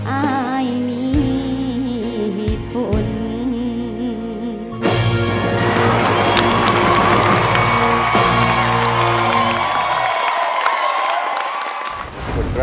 อ้ายมีผล